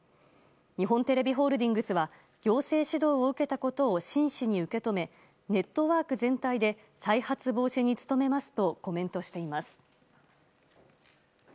日本テレビホールディングスは行政指導を受けたことを真摯に受け止めネットワーク全体で再発防止に努めますとコメントしています。